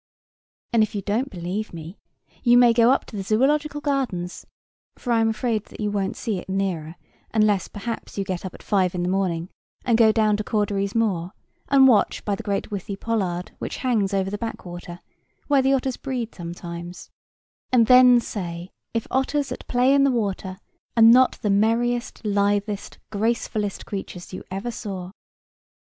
And if you don't believe me, you may go to the Zoological Gardens (for I am afraid that you won't see it nearer, unless, perhaps, you get up at five in the morning, and go down to Cordery's Moor, and watch by the great withy pollard which hangs over the backwater, where the otters breed sometimes), and then say, if otters at play in the water are not the merriest, lithest, gracefullest creatures you ever saw.